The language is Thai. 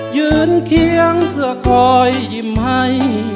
ยืนเคียงเพื่อคอยยิ้มให้